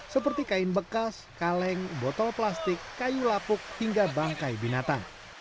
seperti kain bekas kaleng botol plastik kayu lapuk hingga bangkai binatang